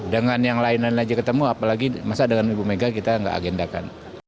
dengan yang lain lain aja ketemu apalagi masa dengan ibu mega kita nggak agendakan